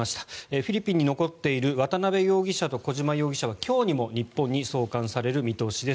フィリピンに残っている渡邉容疑者と小島容疑者は今日にも日本に送還される見通しです。